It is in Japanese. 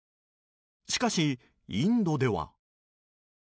しかし、インドでは。